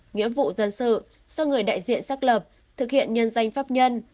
nghĩa vụ dân sự do người đại diện xác lập thực hiện nhân danh pháp nhân